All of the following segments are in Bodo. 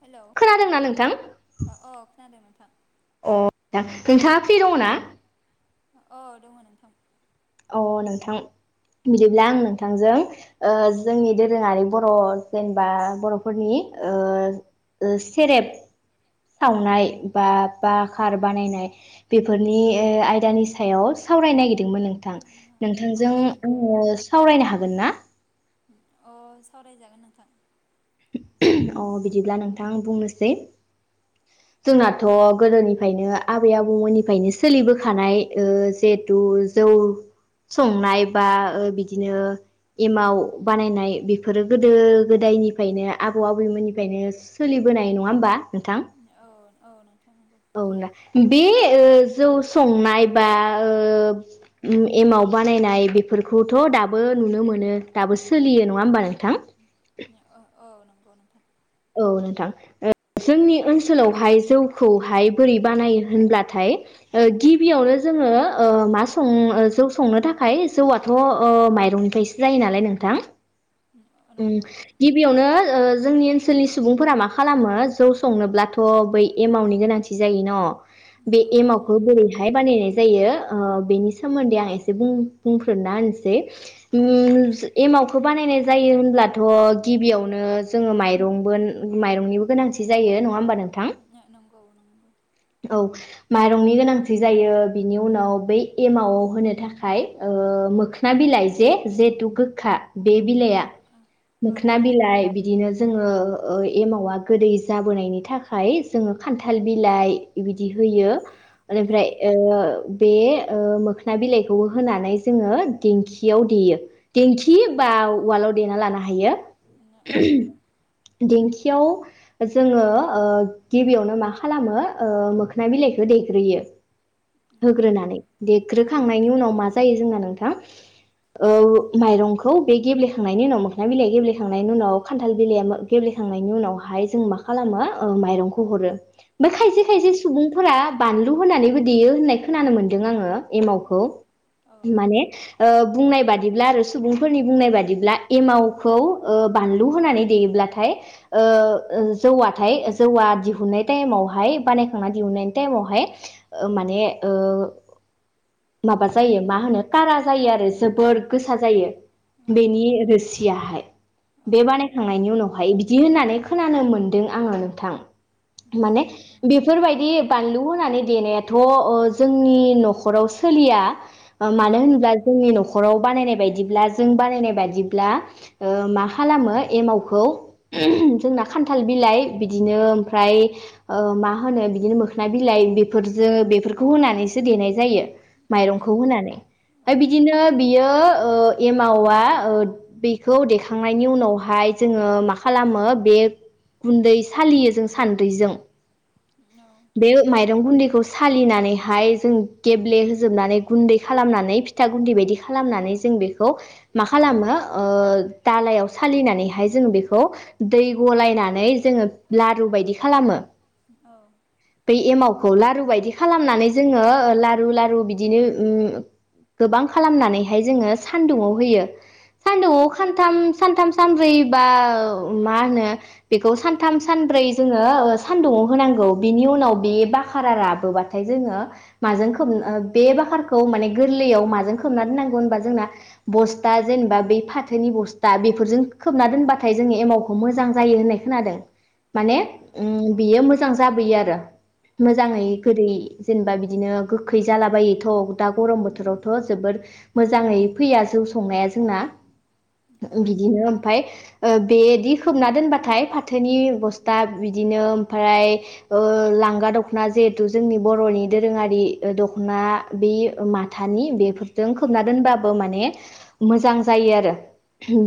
हेलौ अ खोनादोंना नोंथां खोनादों नोंथां अ [unintelligible] नोंथाङा फ्रि दङ ना औ दङ नोंथां अ नोंथां बिदिब्ला आं नोंथांजों ओ-जोंनि दोरोङारि बर जेनेबा बर फोरनि ओ-ओ-सेरेब सावनाय बा बाखार बानायनाय बेफोरनि आयदानि सायाव सावरायनो नागिरदोंमोन नोंथां। औ नोंथांजों नोंथां आङो सावरायनो हा गोन ना अ सावरायजागोन नोंथां। अ बिदिब्ला नोंथां बुंनोसै जोंनाथ गोदोनिफ्रायनो आबै आबौमोननिफ्रायनो सोलिबोखानाय ओ-जिहेथु जौ संनाय बा ओ-बिदिनो एमाव बानायनाय बेफोरो गोदो गोदायनि ओमफ्रायनो आबौ आबैमोननिफ्रायनो सोलिबोनाय नङा होमबा नोंथां? औ औ नोंथां नंगौ [inaudible] बे जौ संनाय बा ओ-ओ-एमाव बानायनाय बेफोरखौथ दाबो नुनो मोनो दाबो सोलियो नङा होमबा नोंथां? [inaudible] औ नंगौ नोंथां औ नोंथां ओ जोंनि ओनसोलावहाय जौखौहाय बोरै बानायो होनब्लाथाय ओ गिबियावनो जोङो ओ मा सं ओ जौ संनो थाखाय जौआथ ओ माइरंनिफ्रायसो जायोनालाय नोंथां ओम नंगौ गिबियावनो ओ जोंनि ओनसोलनि सुबुंफोरा मा खालामो जौ संनोब्लाथ बै एमावनि गोनांथि जायो न बे औ एमावखौ नंगौ बोरैहाय बानायनाय जायो ओ बेनि सोमोन्दै आं एसे बुं-बुंफोरोना होनसै ओम-एमावखौ बानायनाय जायो होनब्लाथ' गिबियावनो जोङो माइरंबो माइरंनिबो गोनांथि जायो नङा होमबा नों औ [unintelligible] माइरंनि गोनांथि जायो बिनि उनाव बै एमावआव होनो थाखाय ओ-मोखोना बिलाइ जे जहेथु गोखा बे औ बिलाइ औ मोखोना बिलाइ बिदिनो जोङो ओ एमावा गोदै जाबोनायनि थाखाय जोङो खान्थाल बिलाइ इबिदि होयो नंगौ औ औ एनिफ्राय ओ बे ओ मोखोना बिलाइखौ होनानै जोङो देंखियाव देयो देंखि बा उवालाव देना लानो हायो औ [unintelligible] देंखियाव जोङो ओ गिबियावनो मा खालामो ओ मोखोना बिलाइखौ देग्रोयो होग्रोनानै देग्रोखांनायनि उनाव मा जायो जोंना नोंथां ओ माइरंखौ बे गेब्ले खांनायनि उनाव मोखना बिलाइया गेबेखांनायनि उनाव खान्थाल बिलाइ मो गेबेखांनायनि उनावहाय जों मा खालामो ओ माइरंखौ हरो। बे खायसे खायसे सुबुंफोरा बानलु होनानैबो देयो होननाय खोनानो मोन्दों आङो। एमावखौ माने ओ बुंनाय बादिब्ला आरो सुबुंफोरनि बुंनाय बादि बिदिब्ला एमावखौ ओ बानलु होनानै देयोब्लाथाय ओ जौवाथाय जौवा दिहुनाय टाइमावहाय बानायखांनानै दिहुनाय टाइमावहाय ओ माने ओ माबा जायो मा होनो कारा जायो आरो जोबोर गोसा जायो। बेनि रोसियाहाय बे बानायखांनायनि उनावहाय बिदि होननानै खोनानो मोनदों आङो नोंथां माने बेफोरबायदि बानलु होनानै देनायाथ' ओ जोंनि न'खराव सोलिया ओ मानो होनब्ला जोंनि न'खराव बानायनाय बायदिब्ला जों बानायनाय बादिब्ला ओ मा खालामो एमावखौ [unintelligible] जोंना खान्थाल बिलाइ बिदिनो ओमफ्राय ओ मा होनो बिदिनो मोखोना बिलाइ बेफोरजो बेफोरखौ होनानैसो देनाय जायो माइरंखौ होनानै मफ्राय बिदिनो बियो ओ मावा ओ बेखौ देखांनायनि उनावहाय जोङो मा खालामो बे गुन्दै सालियो जों सान्द्रिजों। बेयो माइरं गुन्दै खौ सालिनानैहाय जों गेब्ले होजोबनानै गुन्दै खालामनानै फिथा गुन्दै बायदि खालामनानै जों बेख खौ मा खालामो ओ दालायाव सालिनानैहाय जों बेखौ दै गलायनानै जोङो लारु बायदि खालामो। औ खौ लारु बायदि खालामनानै जोङो ओ लारु लारु बिदिनो उम गोबां खालामनानैहाय जोङो सानदुुङाव होयो सानदुङाव खानथाम सानथाम सानब्रै बा मा होनो बेखौ सानथाम सानब्रै जोङो ओ सानदुङाव होनांगौ बिनि उनाव बे बाखारा राबोबाथाय जोङो माजों खोब ओ बे बाखारखौ माने गोरलैयाव माजों खोबना दोननांगौ होनबा जोंना बस्था जेनेबा बै फाथोनि बस्था बेफोरजों खोबना दोनबाथाय जोङो एमावखौ मोजां जायो होननाय खोनादों औ माने औ ओम बेयो मोजां जाबोयो आरो औ मोजाङै गोदै जेनेबा बि बिदिनो गोखै जालाबायोथ दा गरम बोथोरावथ जोबोर मोजाङै फैया जौ संनाया जोंना औ बिदिनो ओमफाय बेदि खोबना दोनबाथाय फाथोनि बस्था बिदिनो ओमफ्राय ओ लांगा दखना जिहेथु जोंनि बरनि दोरोङारि दखना बे माथानि बेफोरजों खोबना दोनबा बो माने मोजां जायो आरो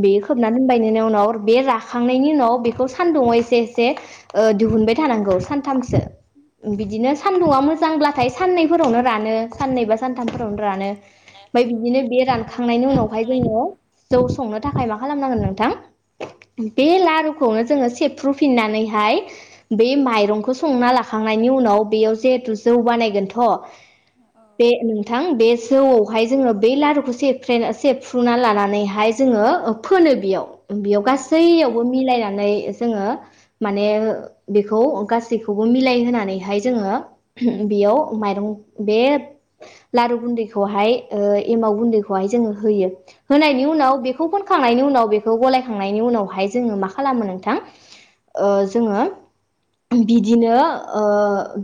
बे औ खोबना दोनबायनोनि उनाव र बे राखांनायनि उनाव बेखौ सान्दुङाव एसे एसे ओ दिहुनबाय थानांगौ सानथामसो बिदिनो सान्दुङा मोजांब्लाथाय साननैफोरावनो रानो साननै बा सानथामफोरावनो रानो मफाय बिदिनो बे रानखांनायनि उनावहाय रानखांनायनि जोङो जौ संनो थाखाय मा खालामनांगोन नोंथां बे लारुखौनो जोङो सेबफ्रुफिननानैहाय बे माइरंखौ संना लाखांनायनि उनाव बेयाव जिहेथु जौ बानायगोनथ औ बे नोंथां बे जौआवहाय जोङो बे लारु सेबफ्रेना सेबफ्रुना लानानैहाय जोङो ओ फोनो बेयाव बेयाव गासै औ सैयावबो मिलायनानै जोङो माने बेखौ गासैखौबो मिलाय होनानै हाय जोङो [unintelligible] बेयाव माइरं बे लारु गुनदैखौ हाय ओ एमाव गुनदै हाय जोङो होयो होनायनि उनाव औ बेखौ फोनखांनायनि उनाव बे खौ गलायखांनायनि उनावहाय जोङो मा खालामो नोंथां ओ जोङो बिदिनो ओ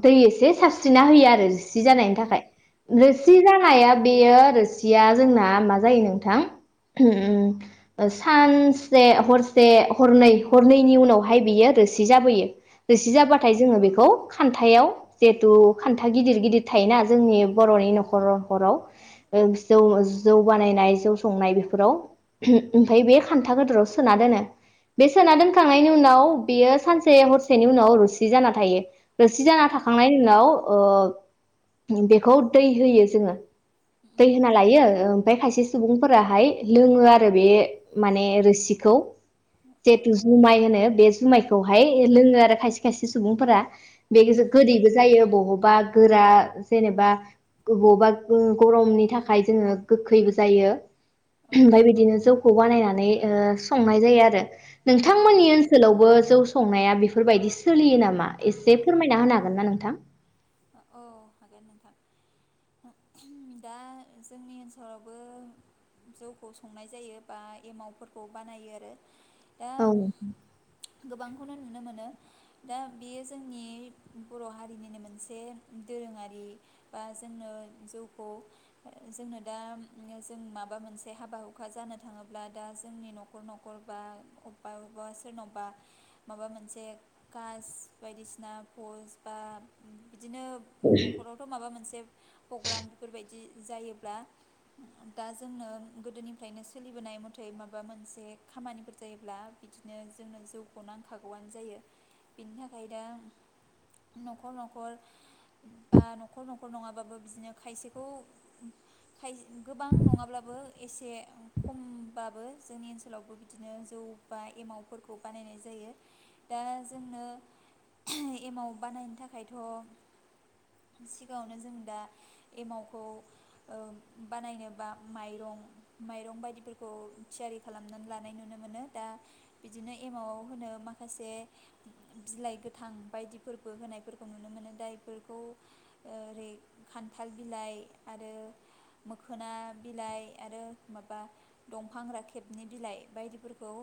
दै एसे सारस्रिना होयो आरो रोसि जानायनि थाखाय रोसि जानाया बेयो रोसिया जोंना मा जायो नोंथां ओम ओ सानसे हरसे हरनै हरनैनि उनावहाय बियो रोसि जाबोयो रोसि जाबाथाय औ जोङो बेखौ खान्थायाव जिहेथु खान्था गिदिर गिदिर थायोना जोंनि बरनि नखर नखराव ओ जौ बानायनाय जौ संनाय बेफोराव [unintelligible] ओमफ्राय बे खान्था गोदोराव सोना दोनो बे सोना दोनखांनायनि उनाव बेयो सानसे हरसेनि उनाव रुसि जाना थायो। रोसि जाना थाखांनायनि उनाव अ बेखौ दै होयो जोङो दै होना लायो ओ खायसे सुबुंफोराहाय लोङो आरो बे माने रोसिखौ जेतु जुमाय होनो बे जुमायखौहाय लोङो आरो खायसे खायसे सुबुंफोरा बे गोजो गोदैबो जायो बहबा गोरा जेनेबा गोबावबा गरमनि थाखाय जोङो गोखैबो जायो फाय बिदिनो जौखौ बानायनानै नै ओ संनाय जायो आरो औ औ नोंथांमोननि ओनसोलावबो जौ स संनाया बेफोरबायदि सोलियो नामा एसे फोरमायना होनो हागोन ना नोंथां हागोन नोंथां दा जोंनि ओनसोलावबो जौखौ संनाय जायो बा एमावफोरखौ बानायो आरो औ खौनो नुनो मोनो दा बेयो जोंनि बर हारिनिनो मोनसे दोरोङारि बा जोंनो जौखौ जोंनो दा जों माबा मोनसे हाबा हुखा जानो थाङोब्ला दा जोंनि नखर नखर बा अबेबा अबेबा सोरनावबा माबा मोनसे कास बायदिसिना पस्ट बा उम बिदिनो नखरावथ माबा मोनसे पग्राम बेफोरबायदि जायोब्ला दा जोंनो गोदोनिफ्रायनो सोलिबोनाय मथे माबा मोनसे खामानिफोर जायोब्ला बिदिनो जोंनो जौखौ नांखागौआनो जायो बेनि था उमफ्राय दा नखर नखर बा नखर नखर नङाबाबो बिदिनो खायसेखौ खाय गोबां नङाब्लाबो एसे खमबाबो जोंनि ओनसोलावबो बिदिनो जौ बा एमावफोरखौ बानायनाय जायो दा जोंनो एमाव बानायनो थाखायथ सिगाङावनो जों दा एमावखौ बानायनोबा माइरं माइरं बायदिफोरखौ थियारि खालामनानै लानाय नुनो मोनो दा बिदिनो एमावआव होनो माखासे बिलाइ गोथां बायदिफोरबो होनायफोरखौ नुनो मोनो दा बेफोरखौ ओरै खान्थाल बिलाइ आरो मोखोना बिलाइ आरो माबा दंफां राखेबनि बिलाइ बायदिफोरखौ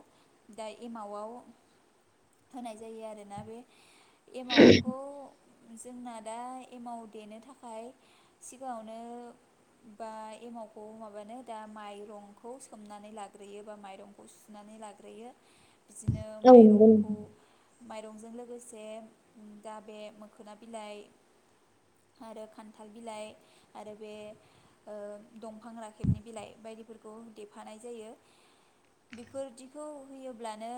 दा एमावआव होनाय जायो आरो ना बे एमावखौ जोंना दा एमाव देनो थाखाय सिगाङावनो बा एमावखौ माबानो दा माइरंखौ सोमनानै लाग्रोयो बा माइरंखौ सुनानै लाग्रोयो बिदिनो औ नंगौ माइरंखौ नोंथां माइरंजों लोगोसे दा बे मोखोना बिलाइ आरो खान्थाल बिलाइ आरो बे ओ दंफां राखेबनि बिलाइ बायदिफोरखौ देफानाय जायो बेफोरदिखौ होयोब्लानो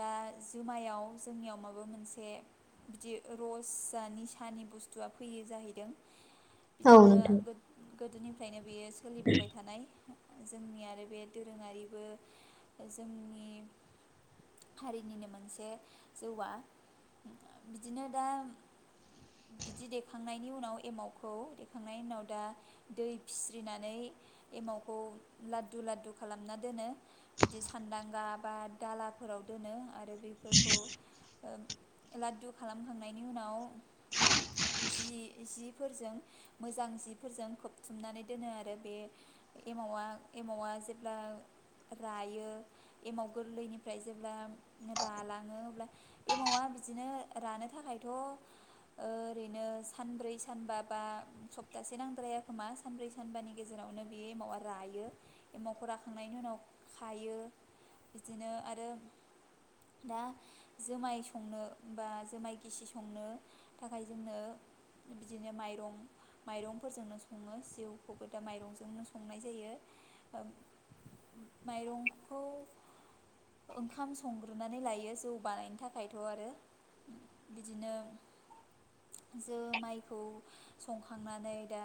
दा जुमायाव जोंनियाव माबा मोनसे बिदि रस जा निसानि बुस्थुआ फैयो जाहैदों औ बिदिनो नोंथां गोद-गोदोनिफ्रायनो बेयो सोलिबोबाय थानाय जोंनि आरो बे दोरोङारिबो जोंनि हारिनिनो मोनसे जौवआ बिदिनो दा बिदि देखांनायनि उनाव एमावखौ देखांनायनि उनाव दा दै फिस्रिनानै एमावखौ लादु लादु खालामना दोनो बिदि सानदांगा बा दालाफोराव दोनो आरो बेफोरखौ ओ लादु खालामखांनायनि उनाव जि-जिफोरजों मोजां जिफोरजों खोबथुमनानै दोनो आरो बे एमावा एमावा जेब्ला रायो एमाव गोरलैनिफ्राय जेब्ला रालाङो अब्ला एमावा बिदिनो रानो थाखायथ ओरैनो सानब्रै सानबा बा सप्तासे नांद्राया खोमा सानब्रै सानबानि गेजेरावनो बे एमावा रायो एमावखौ राखांनायनि उनाव खायो बिदिनो आरो दा जोमाय संनो बा जोमाय गिसि संनो थाखाय जोंनो बिदिनो माइरं माइरंफोरजोंनो सङो सिवखौबो दा माइरंजोंनो संनाय जायो ओ माइरंखौ ओंखाम संग्रोनानै लायो जौ बानायनो थाखायथ आरो बिदिनो जोमायखौ संखांनानै दा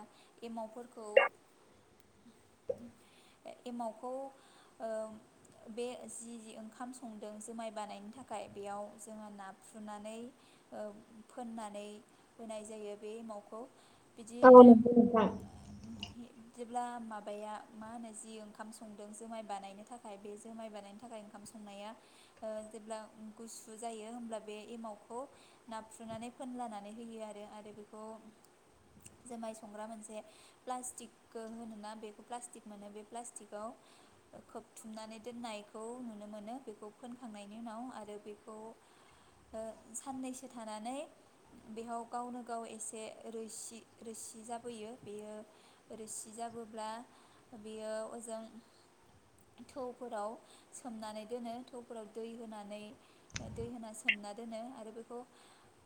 एमावफोरखौ एमावखौ ओ बे जि जि ओंखाम संदों जोमाय बानायनो थाखाय खाय बेयाव जोङो नाफ्रुनानै ओ फोननानै होनाय जायो बे एमावखौ बिदि [unintelligible] जेब्ला माबाया मा होनो जि ओंखाम संदों जुमाय बानायनो थाखाय बे जुमाय बानायनो थाखाय ओंखाम संनाया ओ जेब्ला गुसु जायो होनब्ला बे एमावखौ नाफ्रुनानै फोनलानानै होयो आरो आरो बेखौ जोमाय संग्रा मोनसे प्लास्टिक होनोना बेखौ प्लास्टिक मोनो बे प्लास्टिकआव खोबथुमनानै दोननायखौ नुनो मोनो बेखौ फोनखांनायनि उनाव आरो आरो बेखौ ओ साननैसो थानानै बेहाव गावनो गाव एसे रोसि रोसि जाबोयो बेयो रोसि जाबोब्ला बेयो ओजों थौफोराव सोमनानै दोनो थौफोराव दै होनानै दै होना सोमना दोनो आरो बेखौ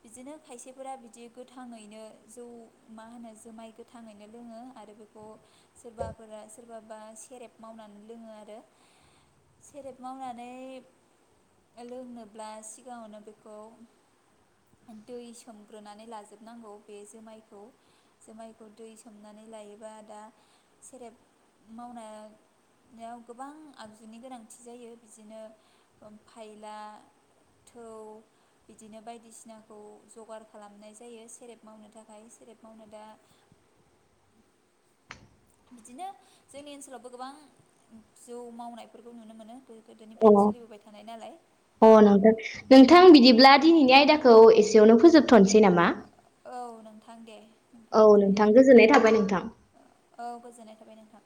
बिदिनो खायसेफोरा बिदि गोथाङैनो जौ मा होनो जुमाय गोथाङैनो लोङो आरो बेखौ सोरबाफोरा सोरबा बा सेरेब मावनानै लोङो आरो सेरेब मावनानै लोंनोब्ला सिगाङावनो बेखौ दै सोमग्रोनानै लाजोबनांगौ बे जोमायखौ जोमायखौ दै सोमनानै लायोबा दा सेरेब मावनायाव गोबां आगजुनि गोनांथि जायो बिदिनो ओ फायला थौ बिदिनो बायदिसिनाखौ जगार खालामनाय जायो सेरेब मावनो थाखाय सेरेब मावनो दा बिदिनो जोंनि ओनसोलावबो गोबां जौ मावनायफोरखौ नुनो मोनो अ गोदोनिफ्रायनो सोलिबोबाय थानाय नालाय अ औ नोंथां नोंथां बिदिब्ला दिनैनि आयदाखौ एसे [unintelligible] फोजोब थननोसै नामा थां दे औ नोंथां गोजोननाय थाबाय नोंथां औ गोजोननाय थाबाय नोंथां